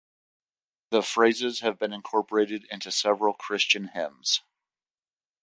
The phrases have been incorporated into several Christian hymns.